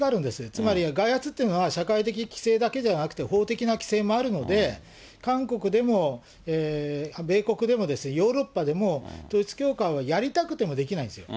つまり外圧というのは、社会的規制だけではなくて、法的な規制もあるので、韓国でも米国でも、ヨーロッパでも、統一教会はやりたくてもできないんですよ。